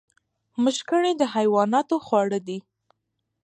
مشګڼې د حیواناتو خواړه دي